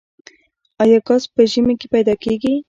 آیا ګاز په ژمي کې پیدا کیږي؟